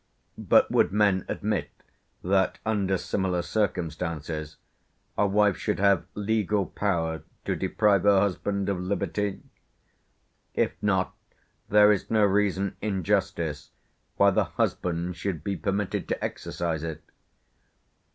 But would men admit, that under similar circumstances, a wife should have legal power to deprive her husband of liberty? If not, there is no reason in justice why the husband should be permitted to exercise it.